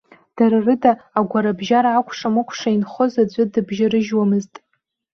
Дара рыда агәарабжьара акәша-мыкәша инхоз аӡәы дыбжьарыжьуамызт.